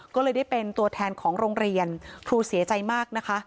ก็เลยได้เป็นตัวแทนของโรงเรียนครูเสียใจมากนะคะ